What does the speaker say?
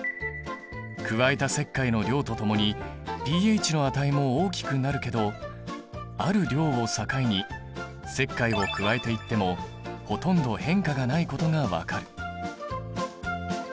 加えた石灰の量とともにｐＨの値も大きくなるけどある量を境に石灰を加えていってもほとんど変化がないことが分かる。